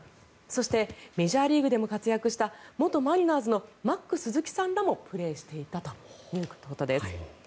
そしてメジャーリーグでも活躍した元マリナーズのマック鈴木さんらもプレーしていたということです。